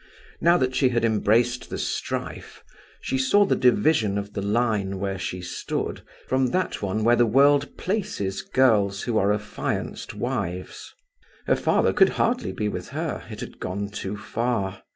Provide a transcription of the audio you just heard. Now that she had embraced the strife, she saw the division of the line where she stood from that one where the world places girls who are affianced wives; her father could hardly be with her; it had gone too far.